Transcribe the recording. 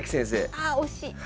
ああ惜しい！